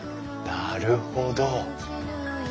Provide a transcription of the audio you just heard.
なるほど。